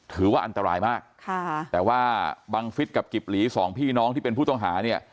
ถือว่าอันตรายมากค่ะแต่ว่าบังฟิศกับกิบหลีสองพี่น้องที่เป็นผู้ต้องหาเนี่ย